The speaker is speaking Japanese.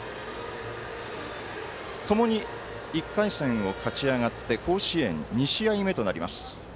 ともに、１回戦を勝ち上がって甲子園２試合目となります。